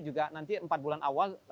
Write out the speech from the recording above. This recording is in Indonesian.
juga nanti empat bulan awal